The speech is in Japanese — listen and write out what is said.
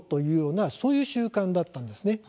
そういう習慣だったんです。